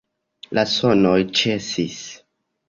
La sonoj ĉesis.